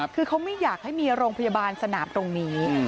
คือเขาไม่อยากให้มีโรงพยาบาลสนามตรงนี้